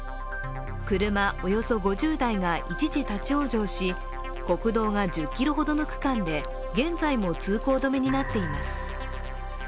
車およそ５０台が一時立往生し国道が１０ｋｍほどの区間で現在も通行止めになっています。